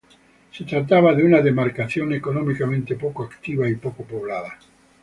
Se trataba de una demarcación económicamente poco activa y poco poblada.